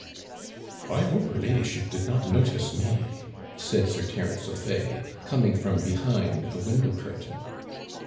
'I hope her ladyship did not notice me,' said Sir Terence O'Fay, coming from behind a window curtain.